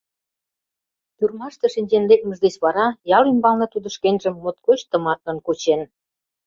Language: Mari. Тюрьмаште шинчен лекмыж деч вара ял ӱмбалне тудо шкенжым моткоч тыматлын кучен.